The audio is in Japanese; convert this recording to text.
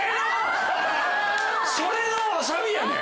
それのわさびやねん。